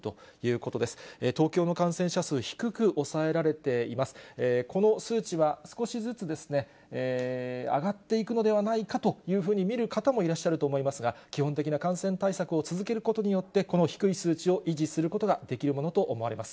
この数値は、少しずつですね、上がっていくのではないかというふうに見る方もいらっしゃると思いますが、基本的な感染対策を続けることによって、この低い数値を維持することができるものと思われます。